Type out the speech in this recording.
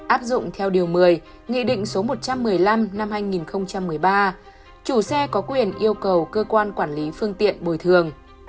áp dụng theo điều một mươi nghị định số một trăm một mươi năm năm hai nghìn một mươi ba chủ xe có quyền yêu cầu cơ quan quản lý phương tiện bồi thường